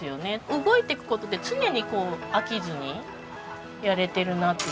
動いていく事で常に飽きずにやれているなっていう。